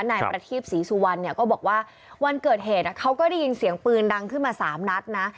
นายประทีปศรีสุวรรณเนี่ยก็บอกว่าวันเกิดเหตุเขาก็ได้ยินเสียงปืนดังขึ้นมา๓นัดนะ